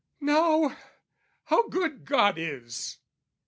Now, how good God is!